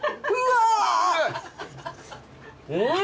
うん！